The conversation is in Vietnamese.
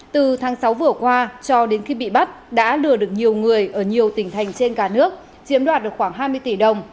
từ tháng sáu vừa qua cho đến khi bị bắt đã lừa được nhiều người ở nhiều tỉnh thành trên cả nước chiếm đoạt được khoảng hai mươi tỷ đồng